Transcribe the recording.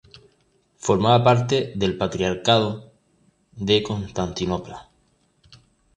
Formaba parte del patriarcado de Constantinopla.